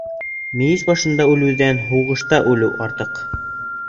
Мейес башында үлеүҙән һуғышта үлеү артыҡ.